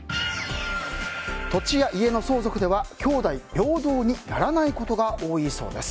土地や家の相続ではきょうだい平等にならないことが多いそうです。